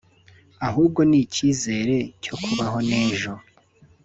ahubwo ni icyizere cyo kubaho n’ejo